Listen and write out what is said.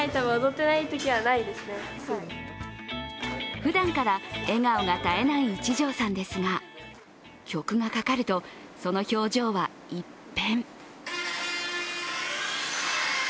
ふだんから笑顔が絶えない一条さんですが曲がかかると、その表情は一変。